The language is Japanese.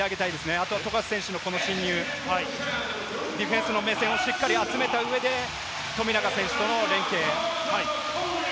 あと富樫選手のこの進入、ディフェンスの目線をしっかり集めた上で、富永選手との連係。